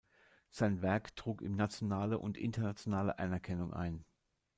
Sein Werk trug ihm nationale und internationale Anerkennung ein.